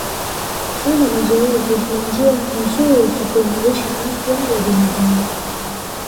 Kufanya mazoezi ni njia nzuri ya kuimarisha afya ya binadamu